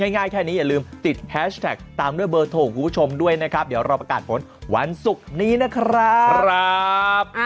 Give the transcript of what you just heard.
ง่ายแค่นี้อย่าลืมติดแฮชแท็กตามด้วยเบอร์โทรของคุณผู้ชมด้วยนะครับเดี๋ยวเราประกาศผลวันศุกร์นี้นะครับ